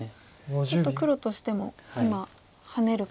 ちょっと黒としても今ハネるか。